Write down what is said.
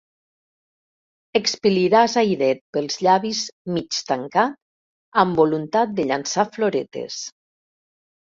Expel·liràs airet pels llavis mig tancat amb voluntat de llançar floretes.